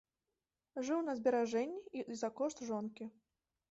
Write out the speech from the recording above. Жыў на зберажэнні і за кошт жонкі.